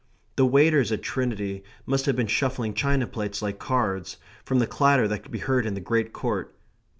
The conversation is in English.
The waiters at Trinity must have been shuffling china plates like cards, from the clatter that could be heard in the Great Court.